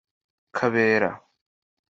Kabera